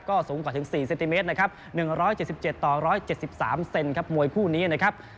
ก็สูงกว่าถึง๔เซนติเมตรนะครับ๑๗๗ต่อ๑๗๓เซนครับมวยคู่นี้นะครับ